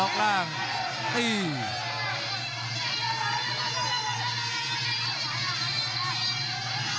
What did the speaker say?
เย็นละพาวางแข้งขวาสวย